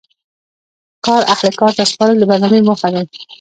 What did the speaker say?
کار اهل کار ته سپارل د برنامې موخه دي.